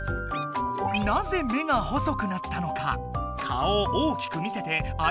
なぜ目が細くなったのか。